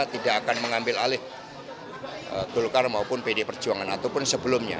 tidak akan mengambil alih golkar maupun pd perjuangan ataupun sebelumnya